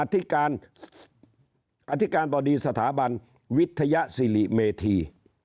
อธิการอธิการบริษฐาบันวิทยสิริเมธี